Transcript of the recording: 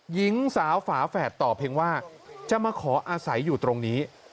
หญิงสาวฝาแฝดตอบเพียงว่าจะมาขออาศัยอยู่ตรงนี้